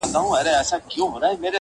د دریا او ایم پي تري